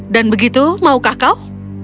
dan begitu maukah kau